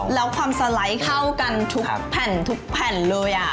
แล้วความสไลด์เข้ากันทุกแผ่นทุกแผ่นเลย